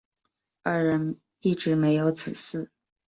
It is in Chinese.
二人一直没有子嗣。